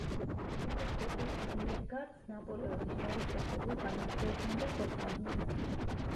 უკუგდებულ არიერგარდს ნაპოლეონის ჯარისკაცები უკან მისდევდნენ და ხოცავდნენ.